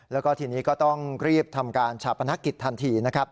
แล้วก็ทีนี้ก็ต้องรีบทำการฉับพนักกิจทันที